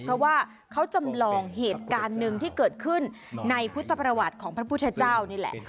เพราะว่าเขาจำลองเหตุการณ์หนึ่งที่เกิดขึ้นในพุทธประวัติของพระพุทธเจ้านี่แหละ